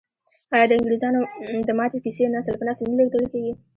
آیا د انګریزامو د ماتې کیسې نسل په نسل نه لیږدول کیږي؟